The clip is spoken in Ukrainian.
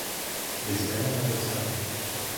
Візьми мене до себе!